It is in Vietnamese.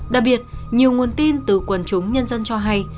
đặc biệt nhiều nguồn tin từ quần chúng nhân dân cho hay